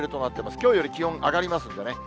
きょうより気温上がりますんでね。